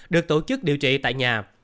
được tổ chức điều trị tại nhà